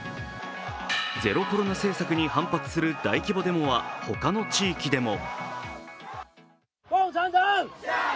ゼロコロナ政策に反発する大規模デモは他の地域でも。